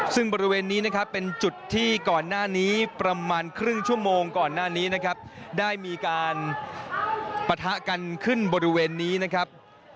ซึ่งบริเวณนี้นะครับเป็นจุดที่ก่อนหน้านี้ประมาณครึ่งชั่วโมงก่อนหน้านี้นะครับได้มีการปะทะกันขึ้นบริเวณนี้นะครับ